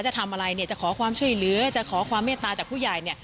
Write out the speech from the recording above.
จะทำอะไรเนี่ยจะขอความช่วยเหลือจะขอความเมตตาจากผู้ใหญ่เนี่ย